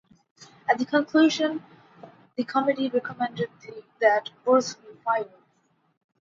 At the conclusion, the committee recommended that Worth be fired.